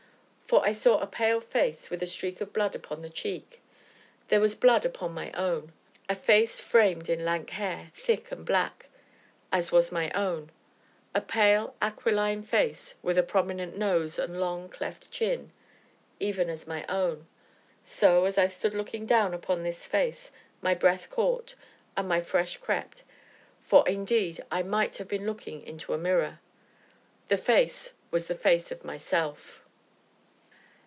For I saw a pale face with a streak of blood upon the cheek there was blood upon my own; a face framed in lank hair, thick and black as was my own; a pale, aquiline face, with a prominent nose, and long, cleft chin even as my own. So, as I stood looking down upon this face, my breath caught, and my flesh crept, for indeed, I might have been looking into a mirror the face was the face of myself.